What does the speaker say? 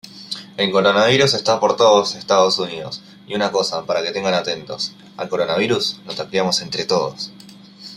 Se realizó en una unidad coronaria de un hospital universitario norteamericano.